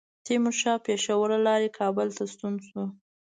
تیمورشاه پېښور له لارې کابل ته ستون شو.